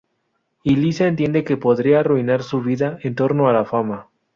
Y Lisa entiende que podría arruinar su vida en torno a la fama.